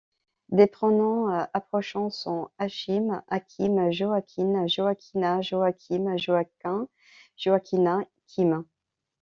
Des prénoms approchants sont Achim, Akim, Joakin, Joakina, Joaquim, Joaquin, Joaquina, Kim.